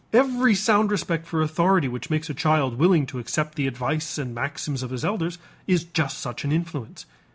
Every sound respect for authority which makes a child willing to accept the advice and maxims of his elders is just such an influence.